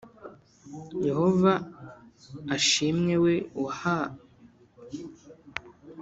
Yehova ashimwe we waha